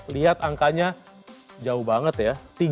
lihat angkanya jauh banget ya